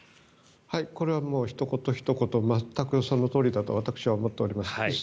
これはひと言ひと言全くそのとおりだと私は思っております。